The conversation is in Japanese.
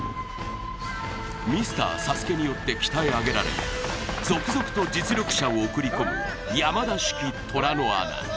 ミスターＳＡＳＵＫＥによって鍛え上げられ、続々と実力者を送り込む山田式虎の穴。